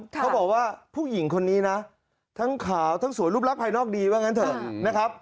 เขาบอกว่าผู้หญิงคนนี้นะทั้งขาวทั้งสวยรูปรักภายนอกดีว่างั้นเถอะนะครับ